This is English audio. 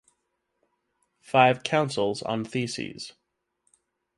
Five Councils on Theses.